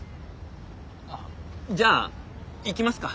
じゃあ行きますか。